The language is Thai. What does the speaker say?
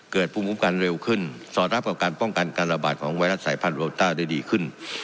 ภูมิคุ้มกันเร็วขึ้นสอดรับกับการป้องกันการระบาดของไวรัสสายพันธุโลต้าได้ดีขึ้น